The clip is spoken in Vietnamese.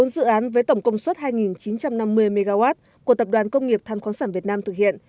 bốn dự án với tổng công suất hai chín trăm năm mươi mw của tập đoàn công nghiệp than khoáng sản việt nam thực hiện